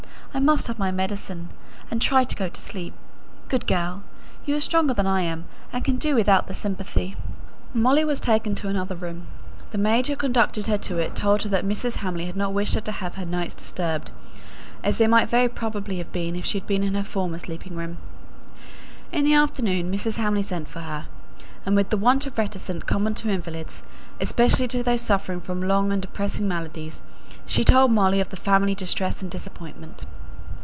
I must have my medicine and try to go to sleep. Good girl! You are stronger than I am, and can do without sympathy." Molly was taken to another room; the maid who conducted her to it told her that Mrs. Hamley had not wished her to have her nights disturbed, as they might very probably have been if she had been in her former sleeping room. In the afternoon Mrs. Hamley sent for her, and with the want of reticence common to invalids, especially to those suffering from long and depressing maladies, she told Molly of the family distress and disappointment.